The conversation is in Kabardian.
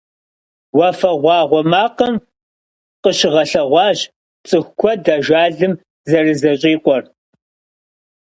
«Уафэгъуагъуэ макъым» къыщыгъэлъэгъуащ цӀыху куэд ажалым зэрызэщӀикъуэр.